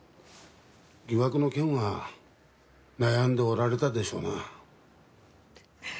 疑惑の件は悩んでおられたでしょうな。